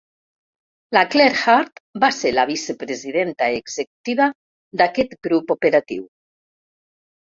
La Clare Hart va ser la vicepresidenta executiva d'aquest grup operatiu.